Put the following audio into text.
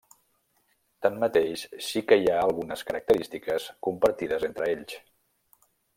Tanmateix, sí que hi ha algunes característiques compartides entre ells.